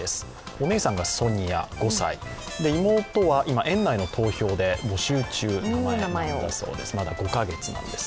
お姉さんがソニア５歳妹は今、園内の投票で募集中、名前を、なんだそうです。